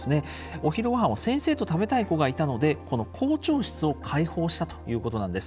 お昼ごはんを先生と食べたい子がいたのでこの校長室を開放したということなんです。